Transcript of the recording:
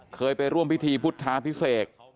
เคยไปร่วมพิธีพุทธาพิเศษ